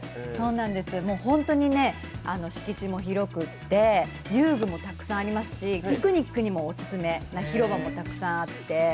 もう本当に、敷地も広くて、遊具もたくさんありますしピクニックにもオススメな広場もたくさんあって。